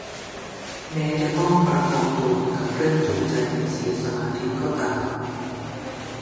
แม้จะต้องประคองตัวกับเรื่องจูงใจให้เสียสมาธิก็ตาม